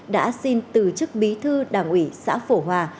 đã xin từ chức bí thư đảng ủy xã phổ hòa